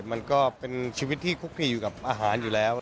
มันก็เป็นชีวิตที่คุกคลีอยู่กับอาหารอยู่แล้ว